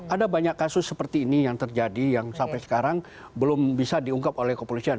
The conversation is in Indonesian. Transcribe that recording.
ada banyak kasus seperti ini yang terjadi yang sampai sekarang belum bisa diungkap oleh kepolisian